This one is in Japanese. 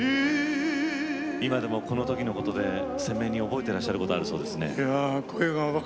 今でも、この時のことで鮮明に覚えていることがあるそうですね。